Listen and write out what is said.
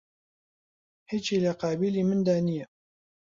هیچی لە قابیلی مندا نییە